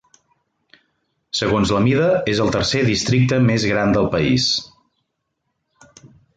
Segons la mida, és el tercer districte més gran del país.